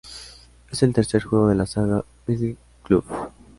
Es el tercer juego de la saga Midnight Club.